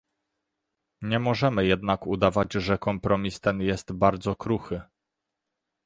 Nie możemy jednak udawać, że kompromis ten nie jest bardzo kruchy